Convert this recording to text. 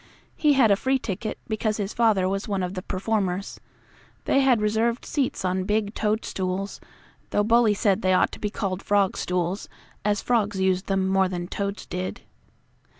He had a free ticket, because his father was one of the performers. They had reserved seats on big toadstools, though Bully said they ought to be called frogstools, as frogs used them more than toads did.